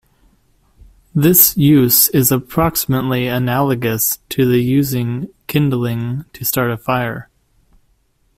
This use is approximately analogous to using kindling to start a fire.